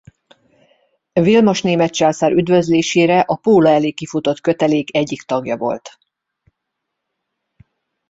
Vilmos német császár üdvözlésére a Póla elé kifutott kötelék egyik tagja volt.